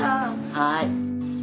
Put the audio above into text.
はい。